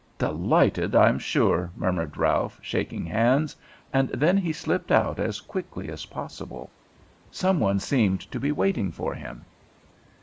"Delighted, I'm sure," murmured Ralph, shaking hands, and then he slipped out as quickly as possible. Some one seemed to be waiting for him.